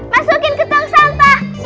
masukin ke tong sampah